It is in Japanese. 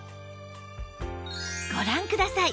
ご覧ください